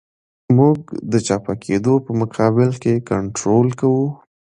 موږ د چپه کېدو په مقابل کې کنټرول کوو